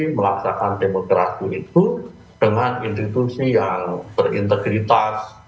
melaksakan demokrasi itu dengan institusi yang berintegritas